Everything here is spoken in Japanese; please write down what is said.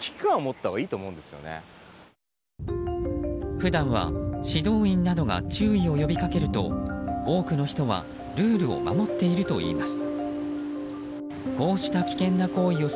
普段は指導員などが注意を呼びかけると多くの人はルールを守っているといいます。